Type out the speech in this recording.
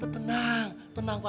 tenang tenang pak